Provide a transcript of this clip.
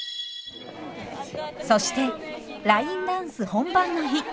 そしてラインダンス本番の日。